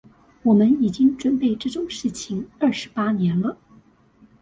我們已經準備這種事情二十八年了